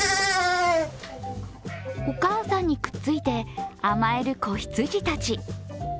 お母さんにくっついて甘える子羊たち。